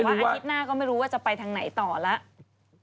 อาทิตย์หน้าก็ไม่รู้ว่าจะไปทางไหนต่อแล้ว